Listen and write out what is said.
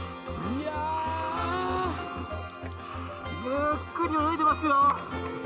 ゆっくり泳いでますよ！